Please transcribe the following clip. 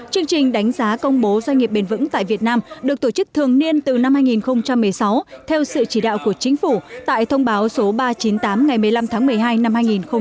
chương trình đánh giá công bố doanh nghiệp bền vững tại việt nam được tổ chức thường niên từ năm hai nghìn một mươi sáu theo sự chỉ đạo của chính phủ tại thông báo số ba trăm chín mươi tám ngày một mươi năm tháng một mươi hai năm hai nghìn một mươi bảy